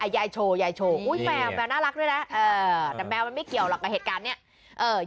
ยายโชว์ยายโชว์อุ้ยแมวแมวน่ารักด้วยนะแต่แมวมันไม่เกี่ยวหรอกกับเหตุการณ์เนี้ย